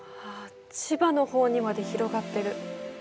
千葉の方にまで広がってる。